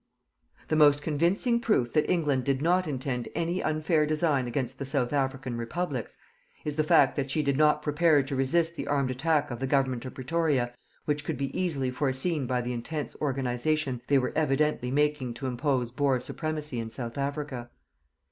The most convincing proof that England did not intend any unfair design against the South African Republics, is the fact that she did not prepare to resist the armed attack of the Government of Pretoria which could be easily foreseen by the intense organization they were evidently making to impose Boer supremacy in South Africa.